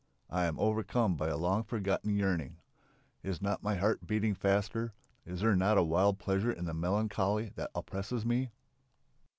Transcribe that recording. I am overcome by a long forgotten yearning. Is not my heart beating faster? Is there not a wild pleasure in the melancholy that oppresses me?